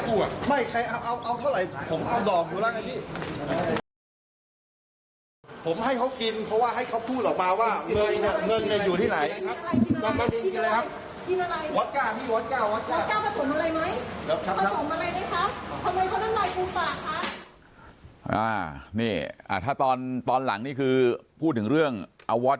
ปากกับภาคภูมิ